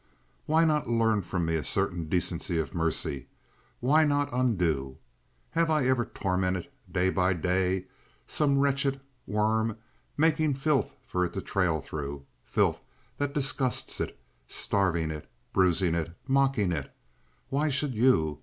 "Why not learn from me a certain decency of mercy? Why not undo? Have I ever tormented—day by day, some wretched worm—making filth for it to trail through, filth that disgusts it, starving it, bruising it, mocking it? Why should you?